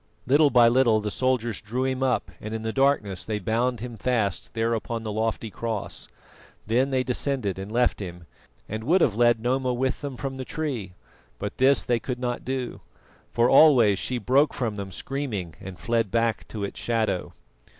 Little by little the soldiers drew him up and in the darkness they bound him fast there upon the lofty cross. Then they descended and left him, and would have led Noma with them from the tree. But this they could not do, for always she broke from them screaming, and fled back to its shadow.